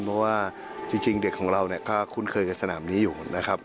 เพราะว่าจริงเด็กของเราเนี่ยก็คุ้นเคยกับสนามนี้อยู่นะครับ